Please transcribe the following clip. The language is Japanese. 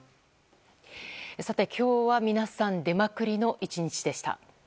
今日は皆さん出まくりの１日でした。